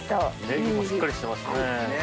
ネギもしっかりしてますね。